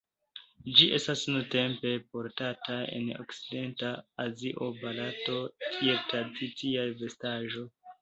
Ĝi estas nuntempe portata en okcidenta Azio, Barato, kiel tradicia vestaĵo.